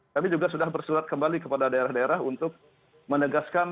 kami juga sudah bersurat kembali kepada daerah daerah untuk menegaskan